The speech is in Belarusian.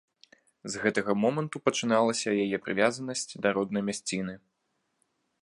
З гэтага моманту пачыналася яе прывязанасць да роднай мясціны.